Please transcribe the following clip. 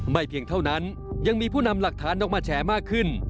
เพียงเท่านั้นยังมีผู้นำหลักฐานออกมาแฉมากขึ้น